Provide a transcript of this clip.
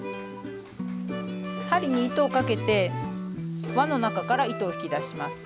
針に糸をかけて輪の中から糸を引き出します。